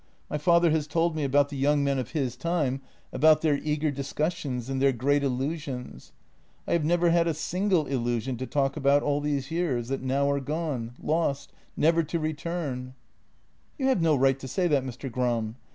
My father has told me about the young men of his time, about their eager discussions and their great illusions. I have never had a single illusion to talk about all these years, that now are gone, lost, never to return." " You have no right to say that, Mr. Gram.